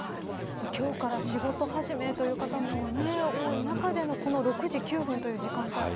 今日から仕事始めという方も多い中での６時９分という時間帯。